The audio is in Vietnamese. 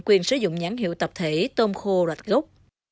với tôm khô rạch gốc